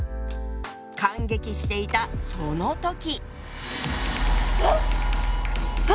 感激していたその時。